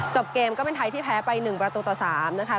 เกมก็เป็นไทยที่แพ้ไป๑ประตูต่อ๓นะคะ